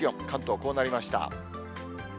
こうなりました。